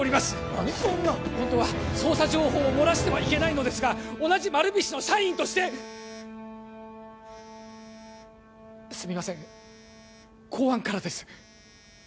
何っそんなホントは捜査情報を漏らしてはいけないのですが同じ丸菱の社員としてすみません公安からです